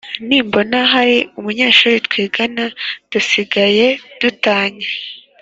Nimbona hari umunyeshuri twigana dusigaye du tanye